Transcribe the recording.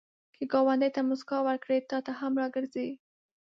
که ګاونډي ته مسکا ورکړې، تا ته هم راګرځي